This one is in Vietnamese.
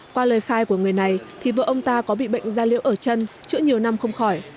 qua lời khai của người này thì vợ ông ta có bị bệnh da liễu ở chân chữa nhiều năm không khỏi